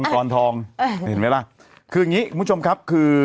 คืออย่างนี้คุณผู้ชมครับ